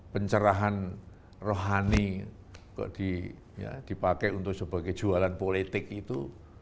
pencerahan rohani kok dipakai untuk sebagai jualan politik itu